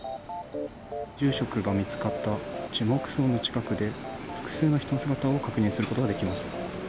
住職が見つかった樹木葬の近くで、複数の人の姿を確認することができます。